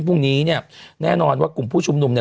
พรุ่งนี้เนี่ยแน่นอนว่ากลุ่มผู้ชุมนุมเนี่ย